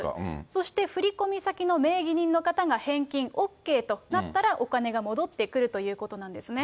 そして、振り込み先の名義人の方が返金ＯＫとなったら、お金が戻ってくるということなんですね。